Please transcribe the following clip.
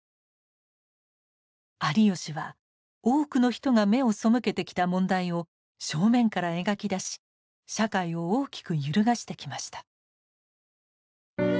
有吉は多くの人が目を背けてきた問題を正面から描き出し社会を大きく揺るがしてきました。